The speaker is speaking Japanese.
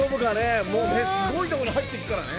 すごいところに入っていくからね。